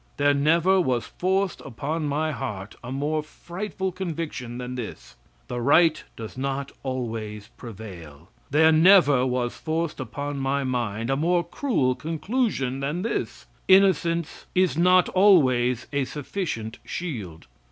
There never was forced upon my heart a more frightful conviction than this the right does not always prevail; there never was forced upon my mind a more cruel conclusion than this innocence is not always a sufficient shield.